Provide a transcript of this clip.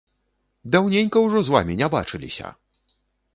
Даўненька ўжо з вамі не бачыліся!